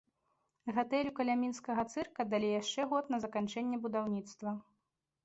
Гатэлю каля мінскага цырка далі яшчэ год на заканчэнне будаўніцтва.